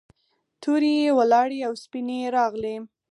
تورې یې ولاړې او سپینې یې راغلې.